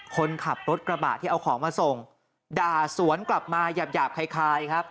คนขับรถกระบะที่เอาของมาส่งด่าสวนกลับมาหยาบคล้ายครับ